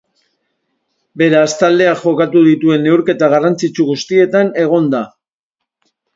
Beraz, taldeak jokatu dituen neurketa garrantzitsu guztietan egon da.